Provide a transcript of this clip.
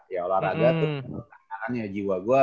ya olahraga tuh tantangannya jiwa gue